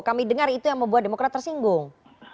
kami dengar itu yang membuat demokrat tersinggung